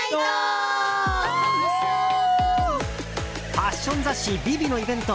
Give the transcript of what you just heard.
ファッション雑誌「ＶｉＶｉ」のイベント